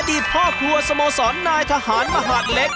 พ่อครัวสโมสรนายทหารมหาดเล็ก